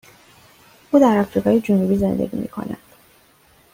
او در آفریقای جنوبی زندگی می کند.